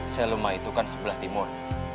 selema itu kan sebelah timur